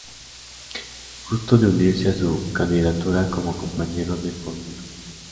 Justo de unirse a su candidatura como compañero de fórmula.